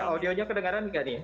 iya audionya kedengeran gak nih